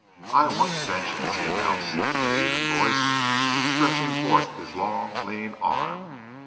"I want vengeance," he announced in an even voice, stretching forth his long, lean arm.